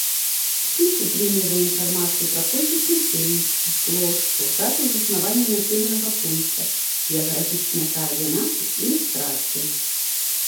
Спіс утрымлівае інфармацыю пра колькасць насельніцтва, плошчу, дату заснавання населенага пункта, геаграфічныя каардынаты, ілюстрацыі.